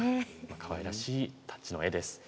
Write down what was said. かわいらしいタッチの絵です。